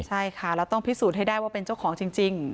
ใช่ค่ะแล้วต้องพิสูจน์ให้ได้ว่าเป็นเจ้าของจริง